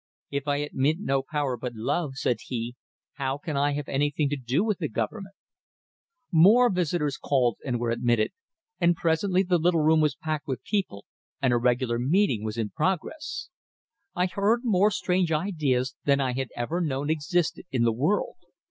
"If I admit no power but love," said he, "how can I have anything to do with government?" More visitors called, and were admitted, and presently the little room was packed with people, and a regular meeting was in progress. I heard more strange ideas than I had ever known existed in the world.